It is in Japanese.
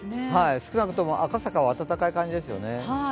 少なくとも赤坂は今、暖かい感じですね。